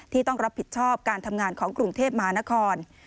ต้องรับผิดชอบการทำงานของกรุงเทพมหานคร